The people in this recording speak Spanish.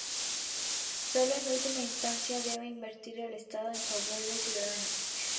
Sólo en última instancia debe intervenir el Estado en favor del ciudadano.